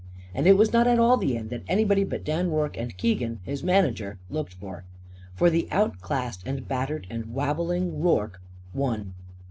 And it was not at all the end that anybody but Dan Rorke and Keegan, his manager, looked for. For the outclassed and battered and wabbling Rorke won.